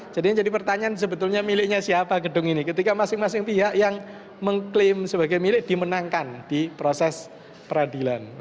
jadi pertanyaan sebetulnya miliknya siapa gedung ini ketika masing masing pihak yang mengklaim sebagai milik dimenangkan di proses peradilan